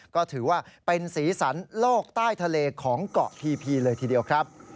ก็ถือว่าเป็นสีสันโลกใต้ทะเลของเกาะพีเลยทีเดียวครับ